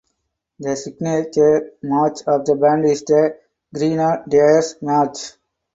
The signature march of the band is the "Grenadiers March".